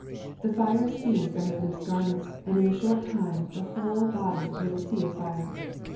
The fire seized on their loose garments, and in a short time the whole body was a sea of fire.